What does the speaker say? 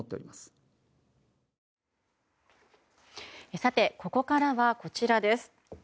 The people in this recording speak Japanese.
さて、ここからはこちらです。